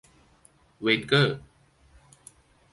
เวนเกอร์